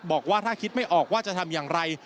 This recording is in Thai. บอกว่าถ้าคิดไม่ออกว่าจะทำอย่างไร